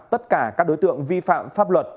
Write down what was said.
tất cả các đối tượng vi phạm pháp luật